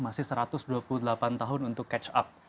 masih satu ratus dua puluh delapan tahun untuk catch up